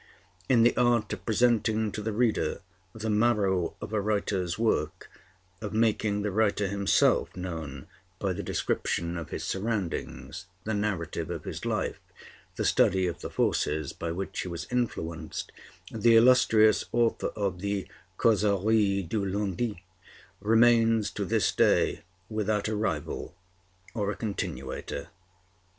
In the art of presenting to the reader the marrow of a writer's work, of making the writer himself known by the description of his surroundings, the narrative of his life, the study of the forces by which he was influenced, the illustrious author of the 'Causeries du Lundi' remains to this day without a rival or a continuator.